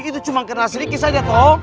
itu cuma kena serikis aja toh